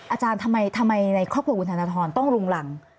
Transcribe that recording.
อาจารย์ทำไมในครอบครัวคุณธนทรต้องรุงหลัง